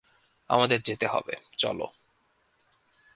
আমাদের যেতে হবে, চলো।